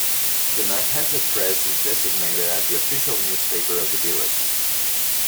The Manhasset Press is designated as the official newspaper of the village.